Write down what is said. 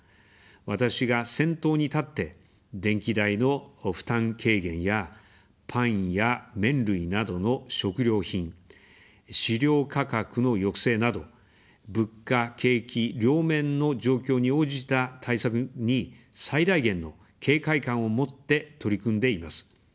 私が先頭に立って、電気代の負担軽減やパンや麺類などの食料品、飼料価格の抑制など、物価、景気両面の状況に応じた対策に最大限の警戒感を持って取り組んでいます。